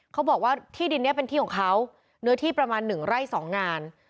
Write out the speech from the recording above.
เขาบอกว่าที่ดินเนื้อที่ประมาณ๑ไร่๒งาน